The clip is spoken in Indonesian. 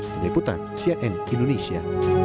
dinyiputan cnn indonesia